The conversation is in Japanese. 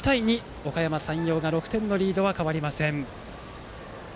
おかやま山陽が６点のリードは変わりません。